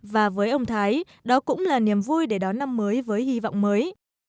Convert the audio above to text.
và với ông thái đó cũng là niềm vui để đón năm mới với hy vọng mới